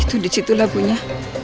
itu disitu labunya